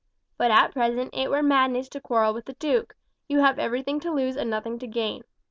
But at present it were madness to quarrel with the duke; you have everything to lose and nothing to gain.